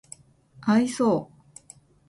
愛想